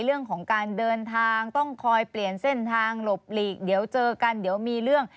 เรื่องของการเดินทางต้องคอยเปลี่ยนเส้นทางหลบหลีกเดี๋ยวเจอกันเดี๋ยวมีเรื่อง